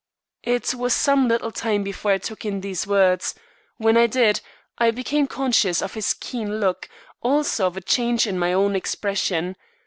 It was some little time before I took in these words. When I did, I became conscious of his keen look, also of a change in my own expression.